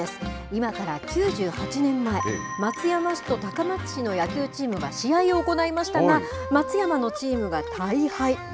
今から９８年前、松山市と高松市の野球チームが試合を行いましたが、松山のチームが大敗。